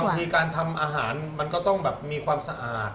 วิธีการทำอาหารมันก็ต้องแบบมีความสะอาด